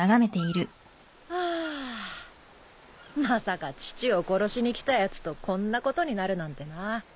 まさか父を殺しに来たやつとこんなことになるなんてな。